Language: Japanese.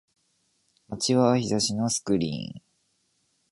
街は日差しのスクリーン